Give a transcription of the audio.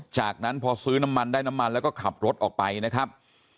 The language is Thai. จากนั้นพอซื้อน้ำมันได้น้ำมันแล้วก็ขับรถออกไปนะครับ